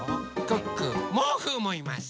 クックーモウフーもいます。